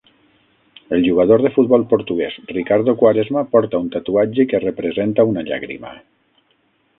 El jugador de futbol portuguès Ricardo Quaresma porta un tatuatge que representa una llàgrima.